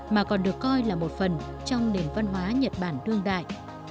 mà còn được coi là một phần trong nền văn hóa nhật bản đương đại